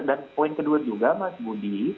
dan poin kedua juga mas budi